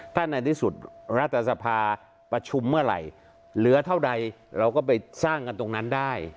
ถ้าในที่สุดรัฐสภาประชุมเมื่อไหร่เหลือเท่าใดเราก็ไปสร้างกันตรงนั้นได้